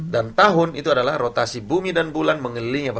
dan tahun itu adalah rotasi bumi dan bulan mengelilingi apa